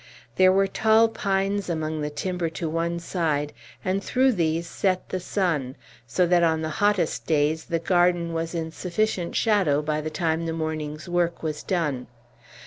There were tall pines among the timber to one side, and through these set the sun, so that on the hottest days the garden was in sufficient shadow by the time the morning's work was done.